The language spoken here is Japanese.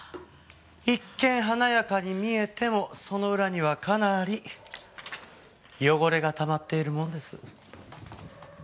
一見華やかに見えてもその裏にはかなり汚れがたまっているものです。